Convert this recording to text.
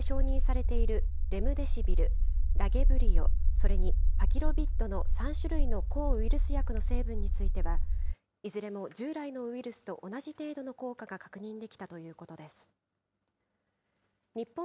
その結果、国内で承認されているレムデシビル、ラゲブリオ、それにパキロビッドの３種類の抗ウイルス薬の成分については、いずれも従来のウイルスと同じ程度の効果が確認できたということです。